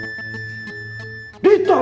kusuitnya sudah mengatur jadwal